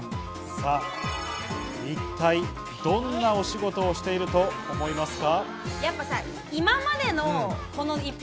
さぁ、一体どんなお仕事をしていると思いますか？